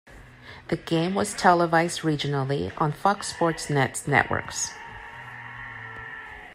The game was televised regionally on Fox Sports Net networks.